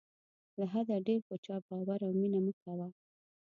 له حده ډېر په چا باور او مینه مه کوه.